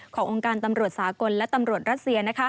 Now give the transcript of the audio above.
ขององค์การตำรวจสากลและตำรวจรัสเซีย